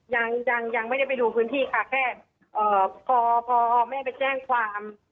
ยังยังไม่ได้ไปดูพื้นที่ค่ะแค่พอพอแม่ไปแจ้งความ